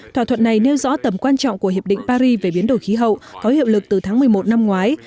thỏa thuận này nêu rõ tầm quan trọng của hiệp định paris về biến đổi khí hậu có hiệu lực từ tháng một mươi một năm ngoái